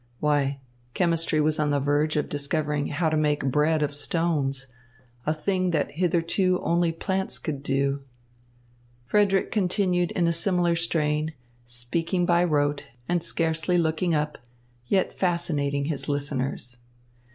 Why, chemistry was on the verge of discovering how to make bread of stones, a thing that hitherto only plants could do. Frederick continued in a similar strain, speaking by rote, and scarcely looking up, yet fascinating his listeners.